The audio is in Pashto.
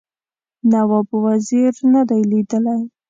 نواب وزیر نه دی لیدلی.